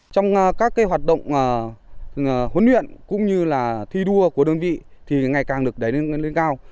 trong các hoạt động huấn luyện cũng như thi đua của đơn vị thì ngày càng được đánh lên